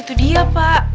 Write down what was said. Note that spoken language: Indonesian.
itu dia pak